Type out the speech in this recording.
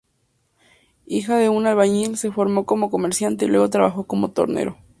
Hijo de un albañil, se formó como comerciante y luego trabajó como tornero.